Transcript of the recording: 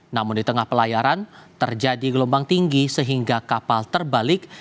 namun di tengah pelayaran terjadi gelombang tinggi sehingga kapal terbalik